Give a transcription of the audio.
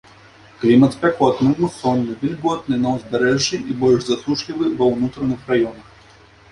Клімат спякотны, мусонны, вільготны на ўзбярэжжы і больш засушлівы ва ўнутраных раёнах.